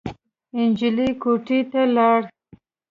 نجلۍ کوټې ته لاړ.